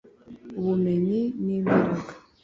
ubumenyi nimbaraga.